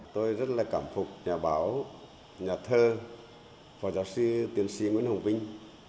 tôi rất là cảm phục nhà báo nhà thơ và giáo sư tiến sĩ nguyễn hồng vinh